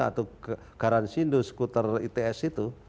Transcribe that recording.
atau garansi untuk skuter its itu